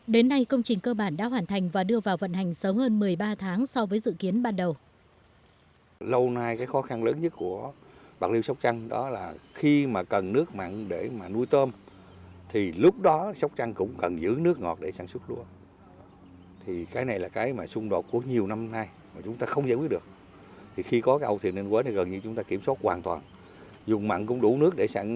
đến nay công trình cơ bản đã hoàn thành và đưa vào vận hành sớm hơn một mươi ba tháng so với dự kiến ban đầu